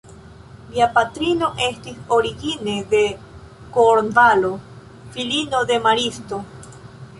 Lia patrino estis origine de Kornvalo, filino de maristo.